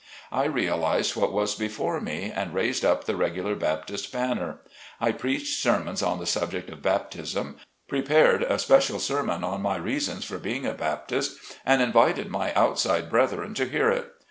I realized what was before me, and raised up the regular Baptist banner. I preached sermons on the subject of Baptism, prepared a special sermon on my reasons for being a Baptist and invited my outside brethren to hear it.